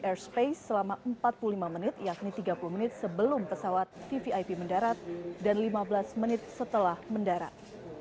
airspace selama empat puluh lima menit yakni tiga puluh menit sebelum pesawat vvip mendarat dan lima belas menit setelah mendarat